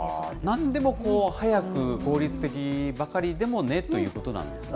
なんでも早く効率的ばかりでもねということなんですね。